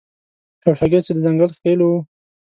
یو شاګرد چې د ځنګل خیلو و.